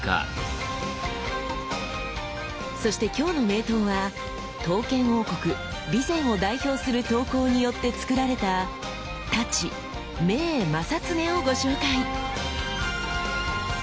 そして「きょうの名刀」は刀剣王国備前を代表する刀工によって作られた「太刀銘正恒」をご紹介。